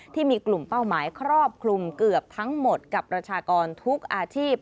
ที่มีกลุ่มเป้าหมายครอบคลุมเกือบทั้งหมดกับประชากรทุกอาชีพ